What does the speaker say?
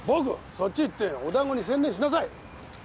そっちへ行ってお団子に専念しなさい！